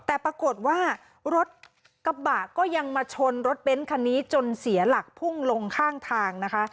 แต่ปรากฏว่ารถกระบะก็ยังมาชนรถเบ้นคันนี้จนเสียหลักพุ่งลงข้างทางนะคะ